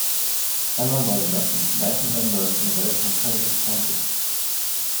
Alan was elected that November in a very competitive contest.